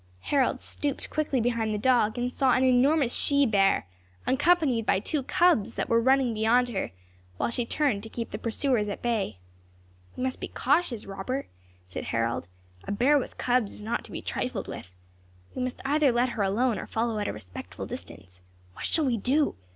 Harold stooped quickly behind the dog, and saw an enormous she bear, accompanied by two cubs that were running beyond her, while she turned to keep the pursuers at bay. "We must be cautious, Robert," said Harold; "a bear with cubs is not to be trifled with. We must either let her alone, or follow at a respectful distance. What shall we do?